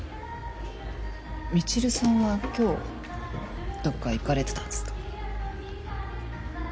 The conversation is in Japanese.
みちるさんは今日どっか行かれてたんですか？